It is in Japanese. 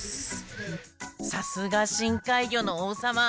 さすが深海魚の王様！